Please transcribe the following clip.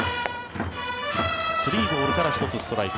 ３ボールから１つストライク。